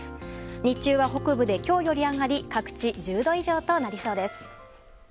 日中は北部で今日より上がり各地１０度以上となりそうです。